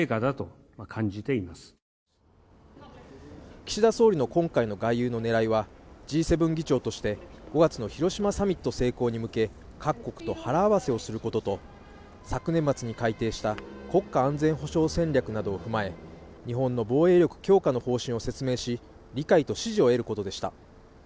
岸田総理の今回の外遊の狙いはＧ７議長として５月の広島サミット成功に向け各国と腹合わせをすることと昨年末に改定した国家安全保障戦略などを踏まえ日本の防衛力強化の方針を説明し、理解と支持を得ることでした。